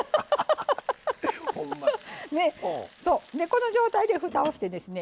この状態でふたをしてですね